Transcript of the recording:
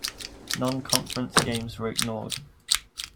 Non-conference games were ignored.